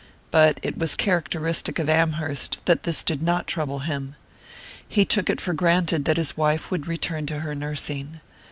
But it was characteristic of Amherst that this did not trouble him. He took it for granted that his wife would return to her nursing.